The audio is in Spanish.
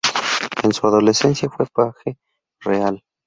En su adolescencia fue paje real.